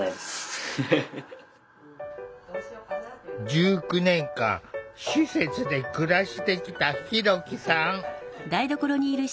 １９年間施設で暮らしてきたひろきさん。